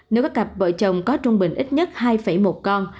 nếu có cặp vợ chồng có trung bình ít nhất hai một con